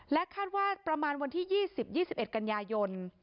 คาดว่าประมาณวันที่๒๐๒๑กันยายน